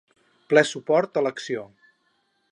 Ple suport a l’acció.